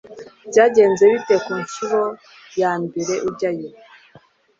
Byagenze bite ku nshuro ya mbere ujyayo